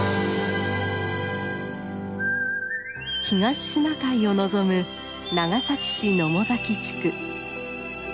東シナ海を望む長崎市野母崎地区。